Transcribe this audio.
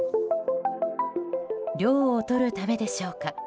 涼をとるためでしょうか。